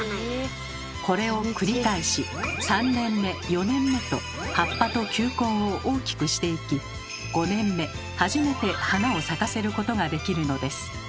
これを繰り返し３年目４年目と葉っぱと球根を大きくしていき５年目初めて花を咲かせることができるのです。